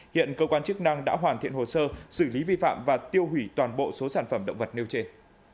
hiện cơ quan chức năng đã hoàn thiện hồ sơ xử lý vi phạm và tiêu hủy toàn bộ số sản phẩm động vật nêu trên